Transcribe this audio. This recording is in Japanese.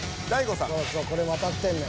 そうそうこれわかってんねん。